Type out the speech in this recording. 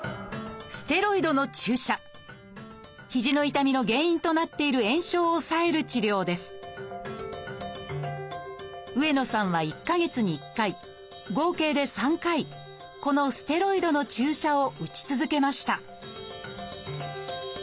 肘の痛みの原因となっている炎症を抑える治療です上野さんは１か月に１回合計で３回このステロイドの注射を打ち続けました